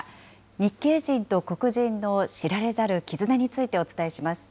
日系人と黒人の知られざる絆についてお伝えします。